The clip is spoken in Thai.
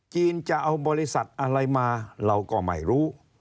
จะเอาบริษัทอะไรมาเราก็ไม่รู้